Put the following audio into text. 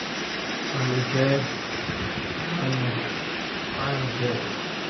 It is now universally included on computer keyboards.